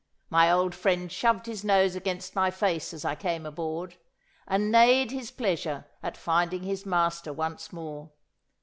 My old friend shoved his nose against my face as I came aboard, and neighed his pleasure at finding his master once more.